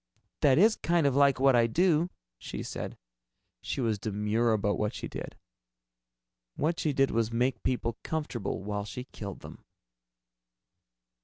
"That is kind of like what I do," she said. She was demure about what she did. What she did was make people comfortable while she killed them.